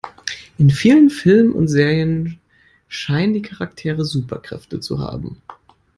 In vielen Filmen und Serien scheinen die Charaktere Superkräfte zu haben.